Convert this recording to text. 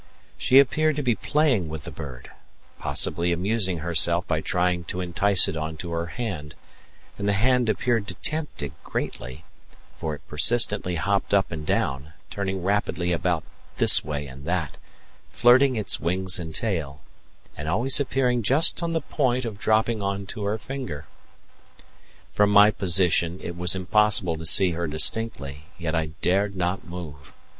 She appeared to be playing with the bird, possibly amusing herself by trying to entice it on to her hand; and the hand appeared to tempt it greatly, for it persistently hopped up and down, turning rapidly about this way and that, flirting its wings and tail, and always appearing just on the point of dropping on to her finger. From my position it was impossible to see her distinctly, yet I dared not move.